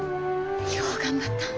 よう頑張った。